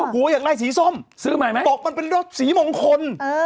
หูอยากไล่สีส้มซื้อใหม่ไหมบอกมันเป็นรถสีมงคล